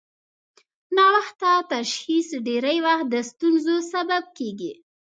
ناوخته تشخیص ډېری وخت د ستونزو سبب کېږي.